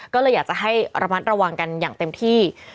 ก็เลยอยากจะให้ระมัดระวังกันอย่างเต็มที่